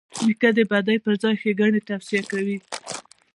نیکه د بدۍ پر ځای ښېګڼه توصیه کوي.